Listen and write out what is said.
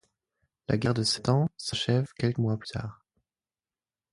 La guerre de sept ans s'achève quelques mois plus tard.